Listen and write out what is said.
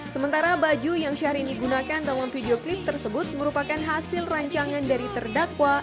sementara baju yang syahrini gunakan dalam video klip tersebut merupakan hasil rancangan dari terdakwa